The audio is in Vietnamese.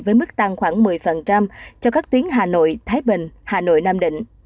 với mức tăng khoảng một mươi cho các tuyến hà nội thái bình hà nội nam định